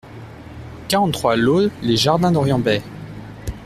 quarante-trois lOT LES JARDINS D'ORIENT BAY